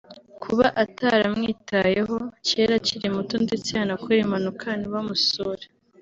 Kuba ataramwitayeho cyera akiri muto ndetse yanakora impanuka ntibamusure